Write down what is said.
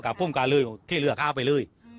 ก็พวกมันก็เลยที่เหลือข้าวไปเลย